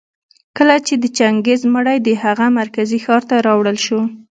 کله چي د چنګېز مړى د هغه مرکزي ښار ته راوړل شو